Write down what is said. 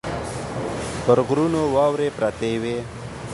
پر غرونو واورې پرتې وې.